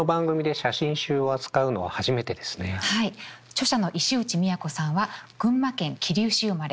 著者の石内都さんは群馬県桐生市生まれ。